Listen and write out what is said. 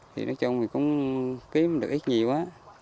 thì nói chung mình cũng kiếm được ít nhiều á